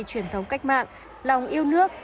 truyền thống cách mạng lòng yêu nước